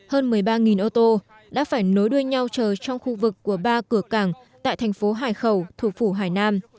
hơn một mươi ba ô tô đã phải nối đuôi nhau chờ trong khu vực của ba cửa cảng tại thành phố hải khẩu thủ phủ hải nam